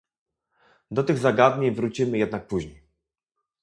Do tych zagadnień wrócimy jednak później